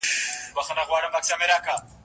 نه به شونډي په لمدې کړم نه مي څاڅکي ته زړه کیږي